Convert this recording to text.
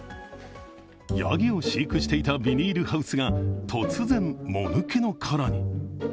やぎを飼育していたビニールハウスが、突然、もぬけの殻に。